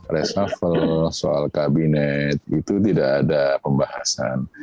reshuffle soal kabinet itu tidak ada pembahasan